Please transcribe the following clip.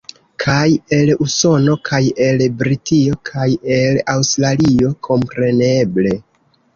Kaj el Usono, kaj el Britio, kaj el Aŭstralio, kompreneble.